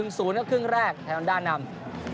๑๐ก็ครึ่งแรกแทนวัลด้านนำ